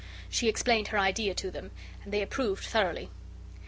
She explained her idea to them and they approved thoroughly.